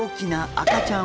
赤ちゃん？